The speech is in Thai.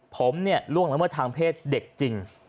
ผมล่วงละเมิดทางเพศเด็กจริง